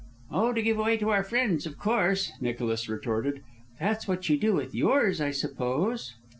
"Oh, to give away to our friends, of course," Nicholas retorted. "That's what you do with yours, I suppose."